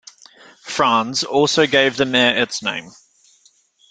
Franz also gave the mare its name.